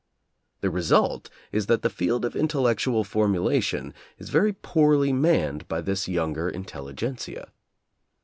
The result is that the field of intellectual formulation is very poorly manned by this younger intelligentsia.